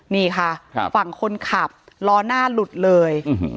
นี่ค่ะฝั่งคนขับล้อหน้าหลุดเลย